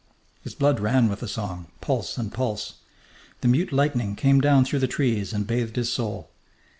_ His blood ran with the song, pulse and pulse. The mute lightning came down through the trees and bathed his soul.